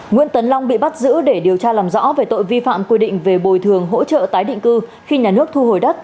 nguyễn tấn long bị bắt giữ để điều tra làm rõ về tội vi phạm quy định về bồi thường hỗ trợ tái định cư khi nhà nước thu hồi đất